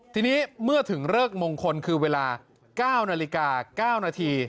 ทีนี้เมื่อถึงเลิกมงคลคือเวลา๙นาฬิกา๙นาที